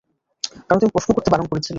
কারণ তুমি প্রশ্ন করতে বারণ করেছিলে।